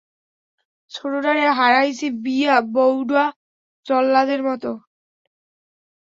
ছোডডারে হরাইছি বিয়া বউডা জল্লাদের মতোন।